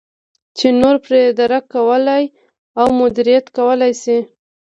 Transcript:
چې نور پرې درک کولای او مدیریت کولای شي.